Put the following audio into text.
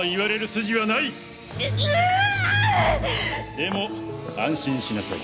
でも安心しなさい。